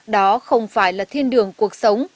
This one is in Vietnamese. đó không phải là thiên đường cuộc sống